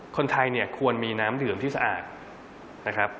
คนไทยเนี่ยควรมีน้ำดื่มที่สะอาดนะครับ